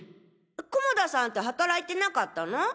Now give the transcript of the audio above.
菰田さんて働いてなかったの？